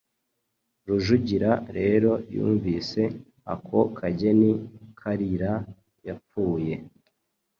Rujugira rero yumvise ako kageni Kalira yapfuye